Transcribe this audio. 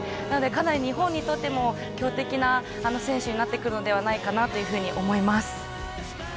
なので日本にとっても強敵な選手になって来るんではないかと思います。